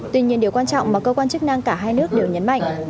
tuy nhiên điều quan trọng mà cơ quan chức năng cả hai nước đều nhấn mạnh